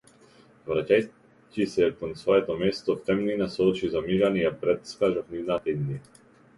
Враќајќи се кон своето место в темнина, со очи замижани ја претскажав нивната иднина.